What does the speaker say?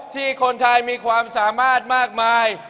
ที่คนไทยมีความสามารถมากมาย